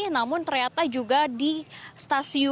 namun ternyata juga di stasiun